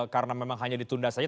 karena memang hanya ditunda saja